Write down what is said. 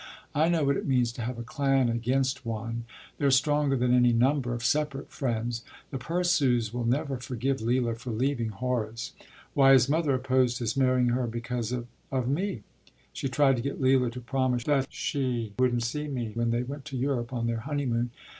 I know what it means to have a clan against one. They’re stronger than any number of separate friends. The Purshes will never forgive Leila for leaving Horace. Why, his mother opposed his marrying her because of of me. She tried to get Leila to promise that she wouldn’t see me when they went to Europe on their honeymoon.